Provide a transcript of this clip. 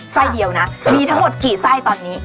ไส้เดียวนะมีทั้งหมดกี่ไส้ตอนนี้